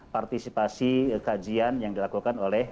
partisipasi kajian yang dilakukan oleh